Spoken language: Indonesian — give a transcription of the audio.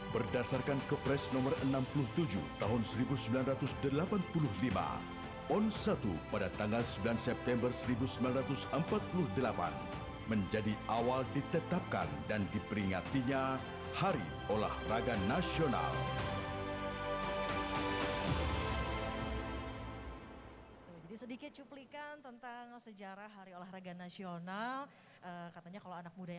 pon ke sembilan diitulah pon ke sembilan